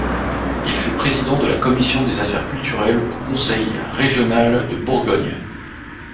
Il fut Président de la Commission des Affaires Culturelles au Conseil Régional de Bourgogne.